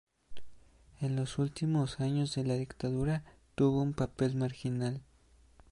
En los últimos años de la dictadura tuvo un papel marginal.